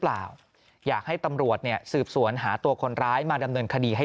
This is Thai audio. อยากให้ตำรวจเนี่ยสืบสวนหาตัวคนร้ายมาดำเนินคดีให้